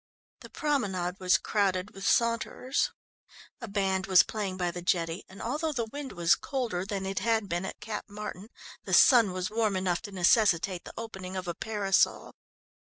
The promenade was crowded with saunterers. A band was playing by the jetty and although the wind was colder than it had been at Cap Martin the sun was warm enough to necessitate the opening of a parasol.